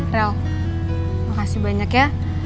rel makasih banyak ya